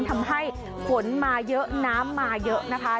ทำให้ฝนมาเยอะน้ำมาเยอะนะคะ